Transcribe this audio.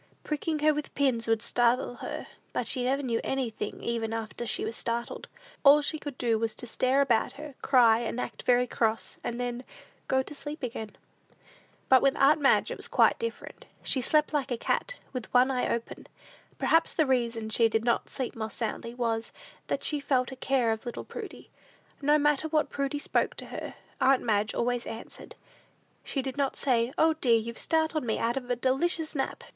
Pricking her with pins would startle her, but she never knew anything even after she was startled. All she could do was to stare about her, cry, and act very cross, and then go to sleep again. But with aunt Madge it was quite different. She slept like a cat, with one eye open. Perhaps the reason she did not sleep more soundly, was, that she felt a care of little Prudy. No matter when Prudy spoke to her, aunt Madge always answered. She did not say, "O, dear, you've startled me out of a delicious nap!"